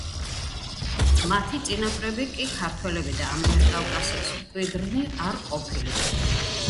მათი წინაპრები კი ქართველები და ამიერკავკასიის მკვიდრნი არ ყოფილან.